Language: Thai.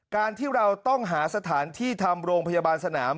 การที่เราต้องหาสถานที่ทำโรงพยาบาลสนาม